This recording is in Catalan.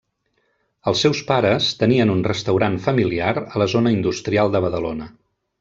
Els seus pares tenien un restaurant familiar a la zona industrial de Badalona.